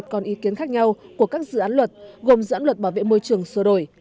còn ý kiến khác nhau của các dự án luật gồm dự án luật bảo vệ môi trường sửa đổi